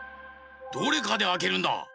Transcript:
どれかであけるんだ。